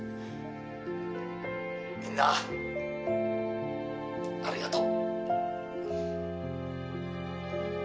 「みんなありがとう」